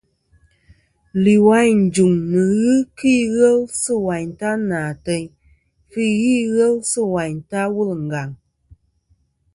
Lìwàyn ɨ jùŋ nɨ̀n ghɨ kɨ ighel sɨ̂ wàyn ta nà àteyn, fî ghɨ ighel sɨ̂ wayn ta wul ɨ ngàŋ.